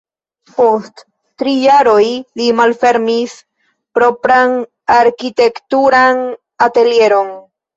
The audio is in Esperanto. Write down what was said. Post tri jaroj li malfermis propran arkitekturan atelieron.